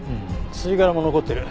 吸い殻も残ってる。